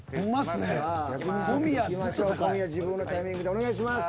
自分のタイミングでお願いします。